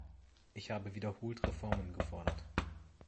Ich habe wiederholt Reformen gefordert.